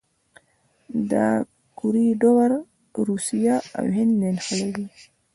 دا کوریډور روسیه او هند نښلوي.